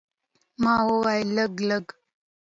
ما وویل، لږ، لږ.